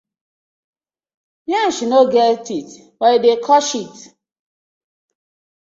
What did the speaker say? Yansh no get teeth but e dey cut shit: